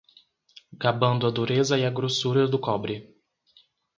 Gabando a dureza e a grossura do cobre